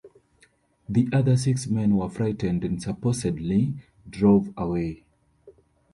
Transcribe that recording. The other six men were frightened and supposedly drove away.